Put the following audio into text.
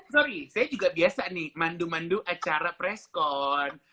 sorry saya juga biasa nih mandu mandu acara preskon